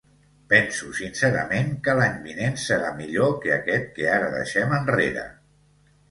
Penso, sincerament, que l’any vinent serà millor que aquest que ara deixem enrere.